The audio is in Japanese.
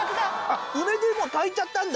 あっ梅でもう炊いちゃったんだ。